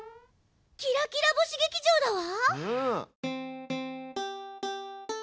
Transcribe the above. キラキラ星劇場だわ！